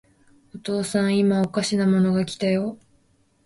お父さん、いまおかしなものが来たよ。